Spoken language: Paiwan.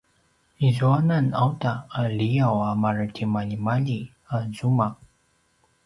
izuanan auta a liyaw a maretimaljimalji a zuma